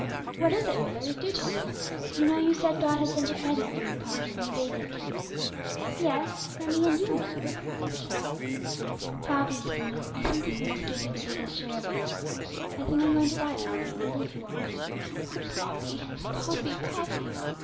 'What is it, mother? Do tell me.' 'You know you said God had sent a present for you, Poppy, when the babies came?' 'Yes for me and you, mother,' said the child. 'Poppy,' said her mother, 'I think He's going to give you the biggest share of it. I think I'm going to die, Poppy, and leave you all. Oh! Poppy, Poppy, Poppy!'